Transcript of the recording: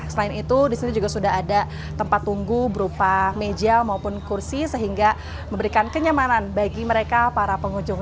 selain itu di sini juga sudah ada tempat tunggu berupa meja maupun kursi sehingga memberikan kenyamanan bagi mereka para pengunjung